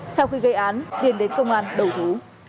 sau khi gây án điền đến công an đầu thú